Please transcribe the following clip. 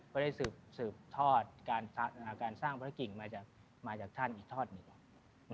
ก็ได้สืบทอดการสร้างพระกิ่งมาจากท่านอีกทอดหนึ่ง